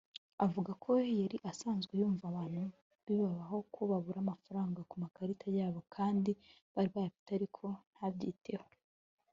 Avuga ko yari asanzwe yumva abantu bibaho ko babura amafaranga ku makarita yabo kandi bari bayafite ariko ntabyiteho